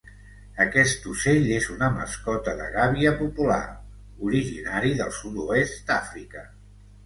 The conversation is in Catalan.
Aquest ocell és una mascota de gàbia popular, originari del sud-oest d'Àfrica.